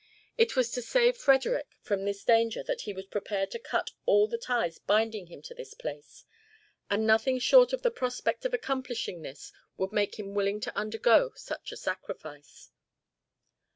It was to save Frederick from this danger that he was prepared to cut all the ties binding him to this place, and nothing short of the prospect of accomplishing this would make him willing to undergo such a sacrifice.